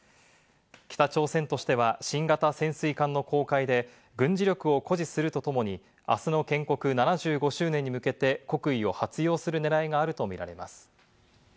北朝鮮としては新型潜水艦の公開で軍事力を誇示するとともに、あすの建国７５周年に向けて国威を発揚する狙いがあると見られます。